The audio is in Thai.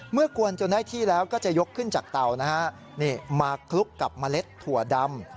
กวนจนได้ที่แล้วก็จะยกขึ้นจากเตานะฮะมาคลุกกับเมล็ดถั่วดำ